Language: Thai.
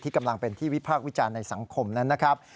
กำลังเป็นที่วิพากษ์วิจารณ์ในสังคมนั้นนะครับ